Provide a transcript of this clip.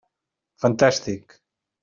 Fantàstic!